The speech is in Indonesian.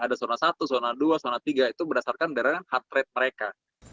ada zona satu zona dua zona tiga itu berdasarkan dari heart rate mereka